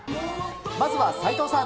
まずは齊藤さん。